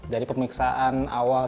dari pemiksaan awal